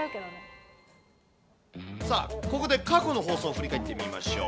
さあ、ここで過去の放送を振り返ってみましょう。